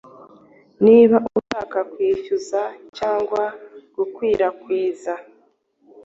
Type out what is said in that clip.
Niba ushaka kwishyuza cyangwa gukwirakwiza